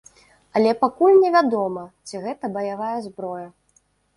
Але пакуль невядома, ці гэта баявая зброя.